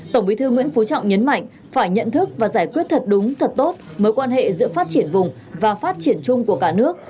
tổng bí thư nguyễn phú trọng nhấn mạnh phải nhận thức và giải quyết thật đúng thật tốt mối quan hệ giữa phát triển vùng và phát triển chung của cả nước